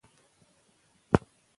که تشریح وي نو ابهام نه پاتې کیږي.